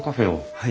はい。